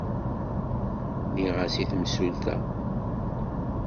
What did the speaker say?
Nniɣ-as i temsulta.